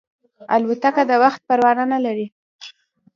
الوتکه د وخت پروا نه لري.